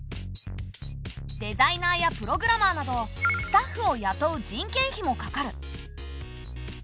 デザイナーやプログラマーなどスタッフをやとう人件費もかかる。